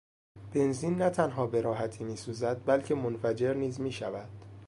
بنزین نه تنها به راحتی میسوزد بلکه منفجر نیز میشود.